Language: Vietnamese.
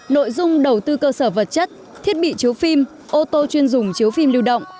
nội dung đầu tư cơ sở vật chất thiết bị chiếu phim ô tô chuyên dùng chiếu phim lưu động